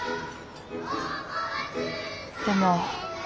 でも。